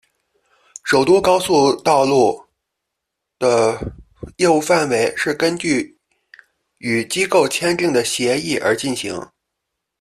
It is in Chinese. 首都高速道路的业务范围是根据与机构签订的协定而进行。